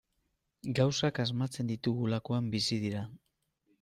Gauzak asmatzen ditugulakoan bizi dira.